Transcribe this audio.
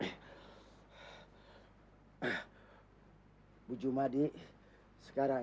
jadi dia pursue populasi keranjang